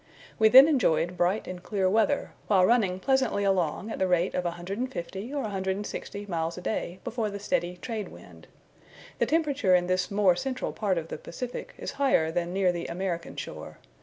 We then enjoyed bright and clear weather, while running pleasantly along at the rate of 150 or 160 miles a day before the steady trade wind. The temperature in this more central part of the Pacific is higher than near the American shore.